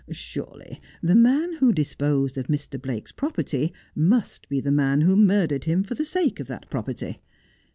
Surely the man who disposed of Mr. Blake's property must be the man who murdered him for the sake of that property.